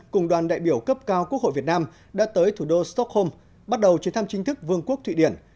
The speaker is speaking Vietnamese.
cùng đoàn đại biểu cấp cao quốc hội việt nam đã tới thủ đô stockholm bắt đầu chuyến thăm chính thức vương quốc thụy điển